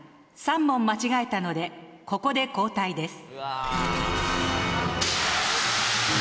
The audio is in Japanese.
３問間違えたのでここで交代です。